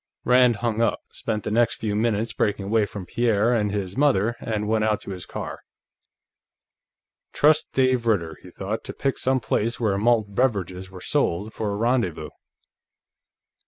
Rand hung up, spent the next few minutes breaking away from Pierre and his mother, and went out to his car. Trust Dave Ritter, he thought, to pick some place where malt beverages were sold, for a rendezvous.